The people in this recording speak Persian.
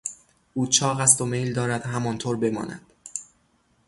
او چاق است و میل دارد همانطور بماند.